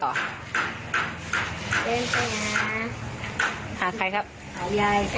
หาใครครับ